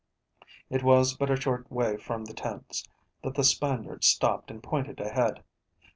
It was but a short way from the tents, that the Spaniard stopped and pointed ahead.